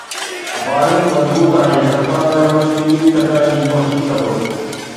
bowling مضبوط آهي Sarfaraz Ahmed series کٽڻ جي ڪوشش ڪندو